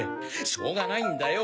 しょうがないんだよ。